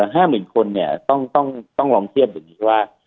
๕หมื่นคนต้องลองเชียบว่า